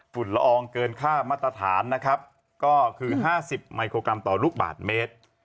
ละอองเกินค่ามาตรฐานนะครับก็คือ๕๐มิโครกรัมต่อลูกบาทเมตร